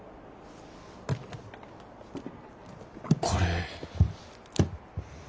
これ。